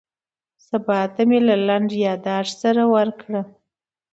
سبا ته مې له لنډ یاداښت سره ورکړه.